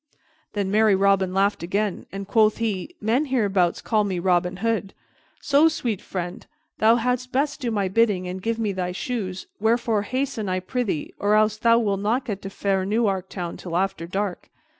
Then merry Robin laughed again, and quoth he, "Men hereabouts call me Robin Hood; so, sweet friend, thou hadst best do my bidding and give me thy shoes, wherefore hasten, I prythee, or else thou wilt not get to fair Newark Town till after dark."